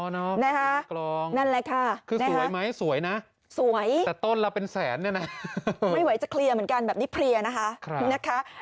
อ๋อเนอะมีทั้งกรองคือสวยไหมสวยนะแต่ต้นละเป็นแสนเนี่ยนะไม่ไหวจะเคลียร์เหมือนกันแบบนี้เคลียร์นะคะ